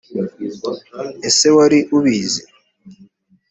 ese wari ubizi?